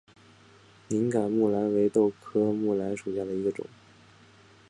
敏感木蓝为豆科木蓝属下的一个种。